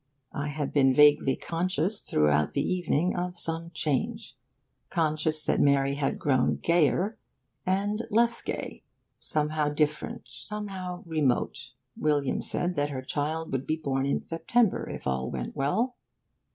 I had been vaguely conscious, throughout the evening, of some change; conscious that Mary had grown gayer, and less gay somehow different, somehow remote. William said that her child would be born in September, if all went well.